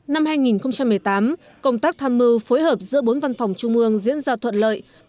năm hai nghìn một mươi tám công tác tham mưu phối hợp giữa bốn văn phòng trung ương diễn ra thuận lợi